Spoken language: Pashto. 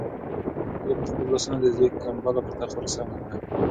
هغې په خپلو لاسو د زوی کمپله پر تخت ورسمه کړه.